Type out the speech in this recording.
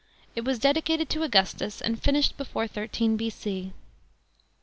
It was dedicated to Augustus and finished before 13 B.C.